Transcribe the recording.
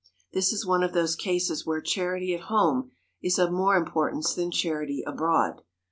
This is one of those cases where charity at home is of more importance than charity abroad.